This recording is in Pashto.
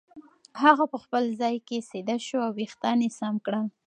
هغه په خپل ځای کې سیده شو او وېښتان یې سم کړل.